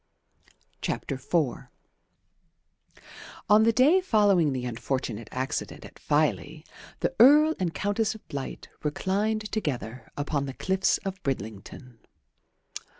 IV On the day following the unfortunate accident at Filey the Earl and Countess of Blight reclined together upon the cliffs of Bridlington.